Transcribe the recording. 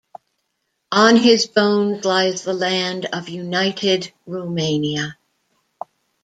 On his bones lies the land of united Romania.